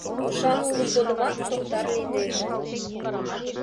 Ушан улмыж годымат токтар лийнеже.